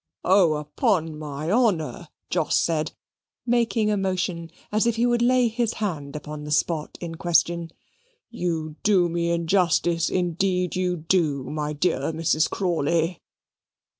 "O, upon my honour!" Jos said, making a motion as if he would lay his hand upon the spot in question. "You do me injustice, indeed you do my dear Mrs. Crawley."